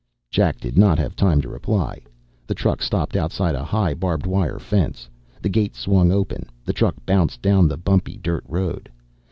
Jack did not have time to reply. The truck stopped outside a high, barbed wire fence. The gate swung open; the truck bounced down the bumpy dirt road.